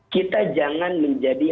kita jangan menjadi